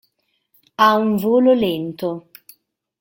Ha un volo lento.